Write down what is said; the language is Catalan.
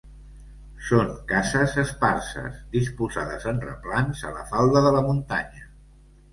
Són cases esparses, disposades en replans, a la falda de la muntanya.